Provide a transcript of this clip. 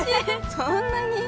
そんなに？